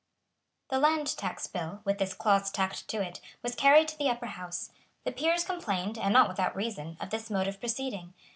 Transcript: The Land Tax Bill, with this clause tacked to it, was carried to the Upper House. The Peers complained, and not without reason, of this mode of proceeding.